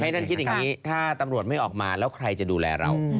ท่านคิดอย่างนี้ถ้าตำรวจไม่ออกมาแล้วใครจะดูแลเรา